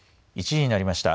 １時になりました。